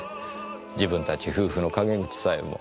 自分たち夫婦の陰口さえも。